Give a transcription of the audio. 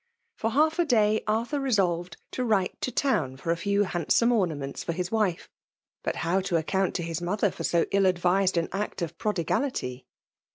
For half a day Arthur resolved to write to town for a few handsome ornaments for his wife. But how to account to his mother for so ill advised an act of prodi* grfity?